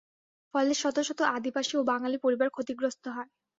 ফলে শত শত আদিবাসী ও বাঙালি পরিবার ক্ষতিগ্রস্ত হয় ।